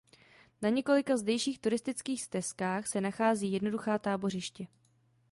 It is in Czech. Na několika zdejších turistických stezkách se nachází jednoduchá tábořiště.